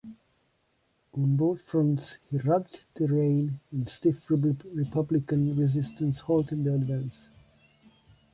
On both fronts, the rugged terrain and stiff Republican resistance halted the advance.